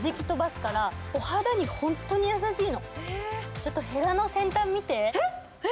ちょっとへらの先端を見て。